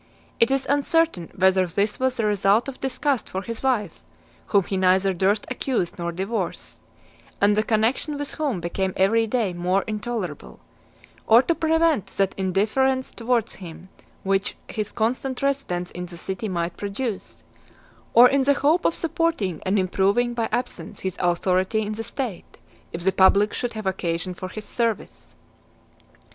It is uncertain whether this was the result of disgust for his wife, whom he neither durst accuse nor divorce, and the connection with whom became every day more intolerable; or to prevent that indifference towards him, which his constant residence in the city might produce; or in the hope of supporting and improving by absence his authority in the state, if the public should have occasion for his service.